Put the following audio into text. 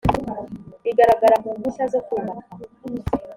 bigaragara mu mpushya zo kubaka